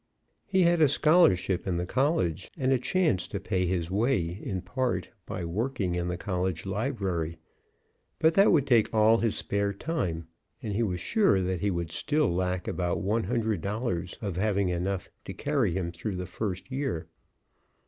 He had a scholarship in the college and a chance to pay his way in part by working in the college library. But that would take all his spare time, and he was sure that he would still lack about one hundred dollars of having enough to carry him through the first year.